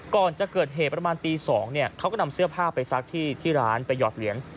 ก่อนจะเกิดเหตุประมาณตี๒เขาก็นำเสื้อผ้าไปซักที่ร้านไปหยอดเหรียญ